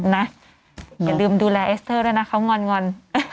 อย่าลืมดูแลเอสเตอร์ด้วยนะเขางอน